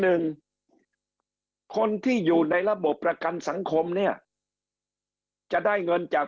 หนึ่งคนที่อยู่ในระบบประกันสังคมเนี่ยจะได้เงินจาก